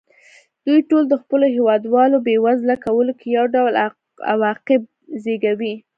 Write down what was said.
دوی ټول د خپلو هېوادوالو بېوزله کولو کې یو ډول عواقب زېږوي.